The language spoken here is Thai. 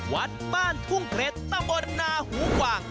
วัดบ้านทุ่งเข็ตตำอ่อนนาฮูหว่าง